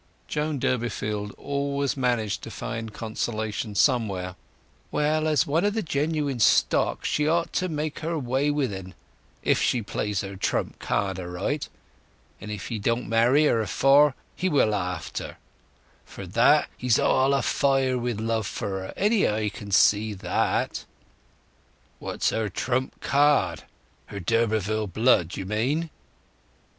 Joan Durbeyfield always managed to find consolation somewhere: "Well, as one of the genuine stock, she ought to make her way with 'en, if she plays her trump card aright. And if he don't marry her afore he will after. For that he's all afire wi' love for her any eye can see." "What's her trump card? Her d'Urberville blood, you mean?"